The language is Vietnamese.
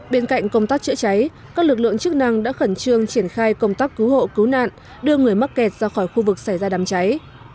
bên cạnh công tác chữa cháy các lực lượng chức năng đã khẩn trương triển khai công tác cứu hộ cứu nạn đưa người mắc kẹt ra khỏi khu vực xảy ra đám cháy